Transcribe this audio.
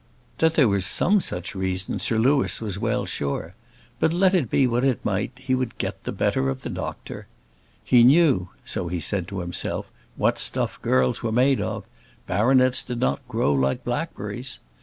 That there was some such reason, Sir Louis was well sure; but let it be what it might, he would get the better of the doctor. "He knew," so he said to himself, "what stuff girls were made of. Baronets did not grow like blackberries."